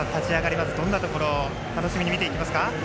まずどんなところを楽しみに見ていきますか。